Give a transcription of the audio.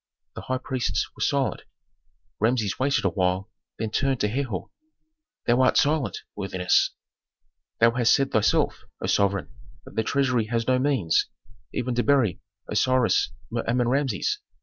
The high priests were silent; Rameses waited a while, then turned to Herhor, "Thou art silent, worthiness." "Thou hast said thyself, O sovereign, that the treasury has no means, even to bury Osiris Mer Amen Rameses.